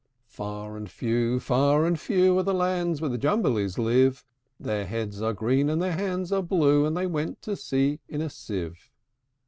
Far and few, far and few, Are the lands where the Jumblies live: Their heads are green, and their hands are blue; And they went to sea in a sieve.